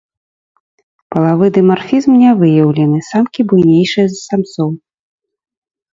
Палавы дымарфізм не выяўлены, самкі буйнейшыя за самцоў.